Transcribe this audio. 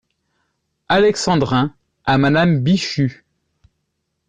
Alexandrin , à madame Bichu .